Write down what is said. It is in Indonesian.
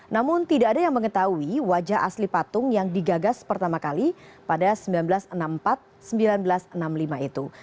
namun tidak ada yang mengetahui wajah asli patung yang digagas pertama kali pada seribu sembilan ratus enam puluh empat seribu sembilan ratus enam puluh lima itu